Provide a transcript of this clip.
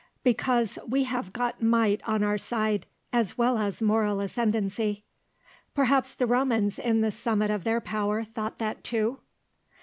"Because we have got might on our side, as well as moral ascendancy." "Perhaps the Romans in the summit of their power thought that too?"